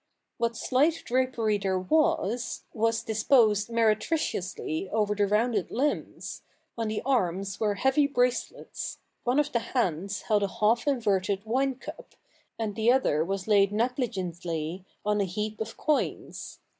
What slight drapery there was, was disposed meretriciously over the rounded limbs ; on the arms were heavy bracelets ; one of the hands held a half inverted wine cup, and the other was laid negligently on a heap of coins.